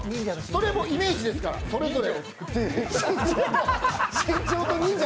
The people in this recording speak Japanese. それもイメージですから、それぞれ。